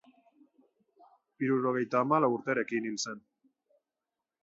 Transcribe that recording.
Hirurogeita hamalau urterekin hil zen.